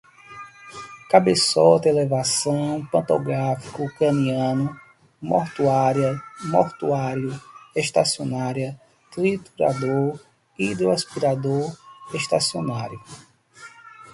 cabeçote, elevação, pantográfico, craniano, mortuária, mortuário, estacionária, triturador, hidroaspirador, estacionário